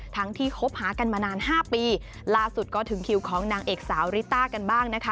ทั้งที่คบหากันมานานห้าปีล่าสุดก็ถึงคิวของนางเอกสาวริต้ากันบ้างนะคะ